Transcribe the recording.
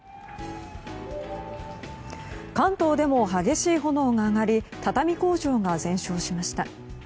関東でも激しい炎が上がり畳工場が全焼しました。